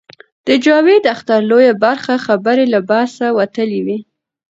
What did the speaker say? د جاوید اختر لویه برخه خبرې له بحث وتلې وې.